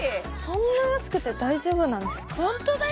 そんな安くて大丈夫なんですか？